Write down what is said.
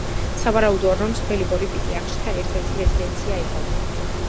სავარაუდოა რომ სოფელი ბორი პიტიახშთა ერთ–ერთი რეზიდენცია იყო.